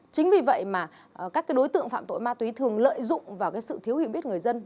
chính vì vậy mà các đối tượng phạm tội ma túy thường lợi dụng vào sự thiếu hiểu biết người dân